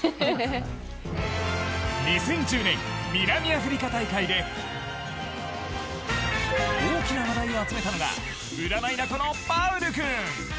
２０１０年南アフリカ大会で大きな話題を集めたのが占いタコのパウル君。